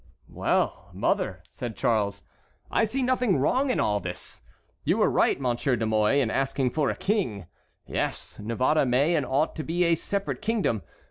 "Well, mother," said Charles, "I see nothing wrong in all this. You were right, Monsieur de Mouy, in asking for a king. Yes, Navarre may and ought to be a separate kingdom.